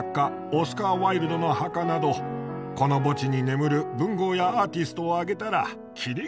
オスカー・ワイルドの墓などこの墓地に眠る文豪やアーティストを挙げたら切りがありません。